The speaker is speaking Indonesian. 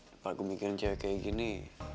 kalau gue mikirin cewek kayak gini